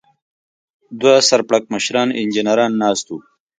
دوه سر پړکمشران انجنیران ناست و.